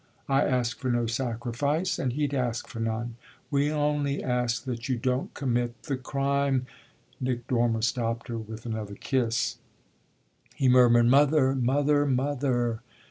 I ask for no sacrifice and he'd ask for none. We only ask that you don't commit the crime !" Nick Dormer stopped her with another kiss; he murmured "Mother, mother, mother!"